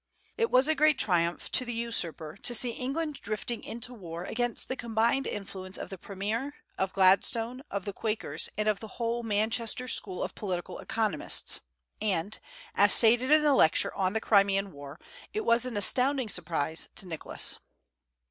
It was a great triumph to the usurper to see England drifting into war against the combined influence of the premier, of Gladstone, of the Quakers, and of the whole Manchester school of political economists; and, as stated in the Lecture on the Crimean war, it was an astounding surprise to Nicholas.